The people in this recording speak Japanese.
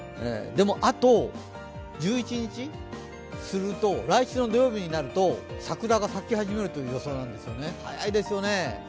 でもあと、１１日すると来週の土曜日になると桜が咲き始めるという予想なんですよね、早いですよね。